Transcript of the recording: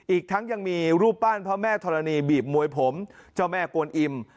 อีกทั้งยังมีรูปปั้นพระแม่ธรณีบีบมวยผมเจ้าแม่กวนอิ่ม